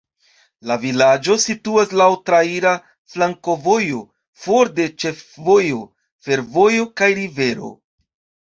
La vilaĝo situas laŭ traira flankovojo for de ĉefvojo, fervojo kaj rivero.